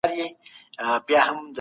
د ولسي جرګي غړي څنګه ټاکل کیږي؟